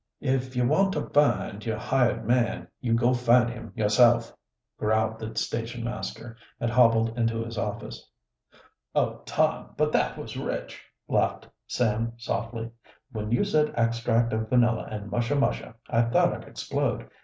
"If you want your hired man you go find him yourself," growled the station master, and hobbled into his office. "Oh, Tom, but that was rich," laughed Sam softly. "When you said extract of vanilla and mushamusha I thought I'd explode.